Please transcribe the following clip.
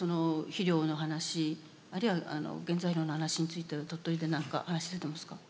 肥料の話あるいは原材料の話について鳥取で何か話出てますか？